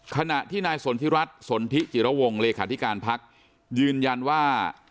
ขณะที่นายสนทิรัฐสนทิจิระวงเลขาธิการพักยืนยันว่า